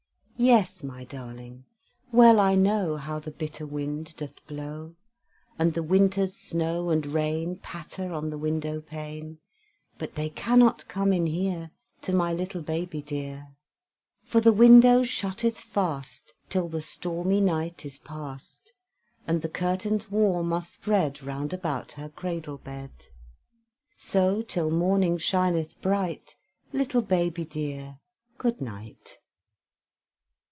Yes, my darling, well I know How the bitter wind doth blow; And the winter's snow and rain Patter on the window pane: But they cannot come in here, To my little baby dear; For the window shutteth fast, Till the stormy night is past; And the curtains warm are spread Round about her cradle bed: So till morning shineth bright, Little baby dear, good night.